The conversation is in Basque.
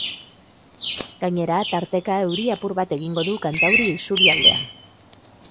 Gainera tarteka euri apur bat egingo du kantauri isurialdean.